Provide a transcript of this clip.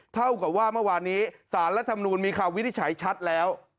เท่ากับว่าเมื่อวานนี้สารและธรรมดุลมีข้าววิทย์ไฉ้ชัดแล้ว